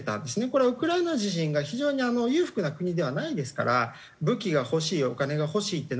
これはウクライナ自身が非常にあの裕福な国ではないですから武器が欲しいお金が欲しいってなりますよね